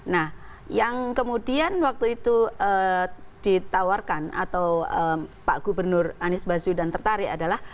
nah yang kemudian waktu itu ditawarkan atau pak gubernur anies basudan tertarik adalah